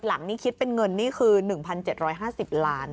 หลังนี้คิดเป็นเงินนี่คือ๑๗๕๐ล้าน